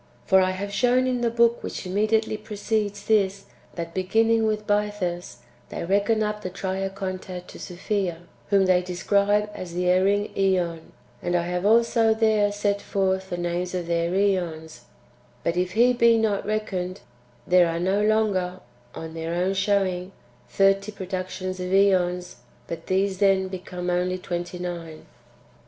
For I have shown in the book which immediately precedes this, that, beginning with Bythus, they reckon up the Triacontad to Sophia, whom they describe as the erring iEon ; and I have also there set forth the names of their [^ons] ; but if He be not reckoned, there are no longer, on their own showing, thirty productions of ^ons, but these then become only twenty nine.